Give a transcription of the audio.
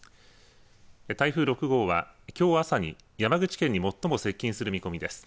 台風６号は、きょう朝に山口県に最も接近する見込みです。